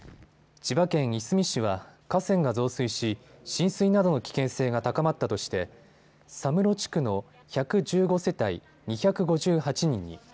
千葉県いすみ市は河川が増水し浸水などの危険性が高まったとして佐室地区の１１５世帯２５８人に。